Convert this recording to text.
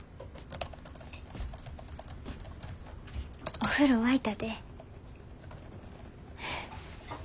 お風呂沸いたで。